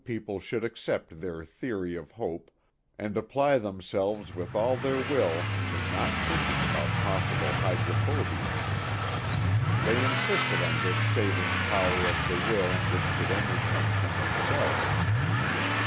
97 people should accept their theory of hope, and apply themselves with all their will to not think ing about possible hydrophobia. They insisted on this saving power of the will which could only come from themselves.